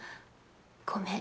ごめん。